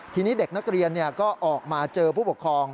ทีนี้เด็กนักเรียนก็ออกมาเจอผู้ปกครอง